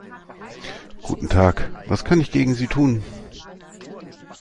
Guten Tag, was kann ich gegen Sie tun?